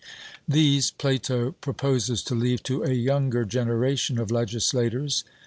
These Plato proposes to leave to a younger generation of legislators.